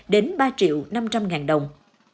đến ba triệu năm trăm linh ngàn đồng